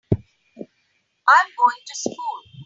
I'm going to school.